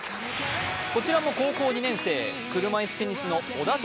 こちらも高校２年生、車いすテニスの小田凱